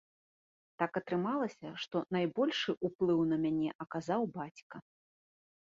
Так атрымалася, што найбольшы ўплыў на мяне аказаў бацька.